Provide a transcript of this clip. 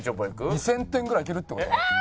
２０００点ぐらいいけるって事？